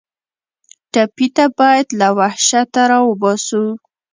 ټپي ته باید له وحشته راوباسو.